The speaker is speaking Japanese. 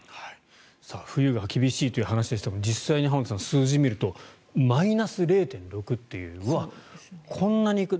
冬が厳しいという話でしたが実際に浜田さん、数字を見るとマイナス０．６というのはうわ、こんなに行く。